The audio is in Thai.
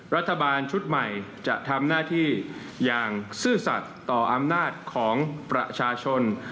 รัฐบาลชุดใหม่จะทำหน้าที่อย่างซื่อสัตว์ต่ออำนาจของประชาชน